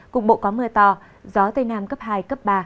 cục bộ có mưa to gió tây nam cấp hai cấp ba